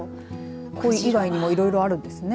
こい以外にもいろいろあるんですね。